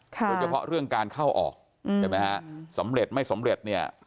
โดยเฉพาะเรื่องการเข้าออกใช่ไหมฮะสำเร็จไม่สำเร็จเนี่ย